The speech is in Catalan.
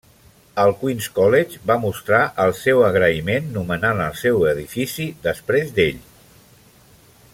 El Queens College va mostrar el seu agraïment nomenant el seu edifici després d'ell.